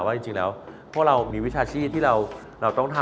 ว่าจริงแล้วพวกเรามีวิชาชีพที่เราต้องทำ